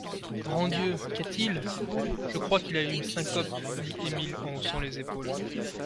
Grand Dieu ! qu'a-t-il ? Je crois qu'il a une syncope, dit Émile en haussant les épaules.